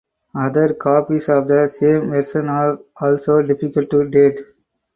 Other copies of the same version are also difficult to date.